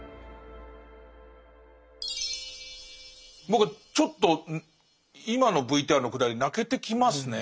僕はちょっと今のＶＴＲのくだり泣けてきますね。